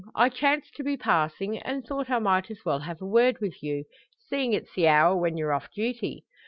I chanced to be passing, and thought I might as well have a word with you seeing it's the hour when you're off duty.